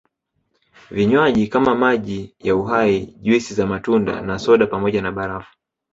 Vinywaji kama maji ya Uhai juisi za matunda na soda pamoja na barafu